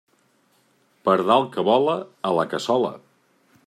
Pardal que vola, a la cassola.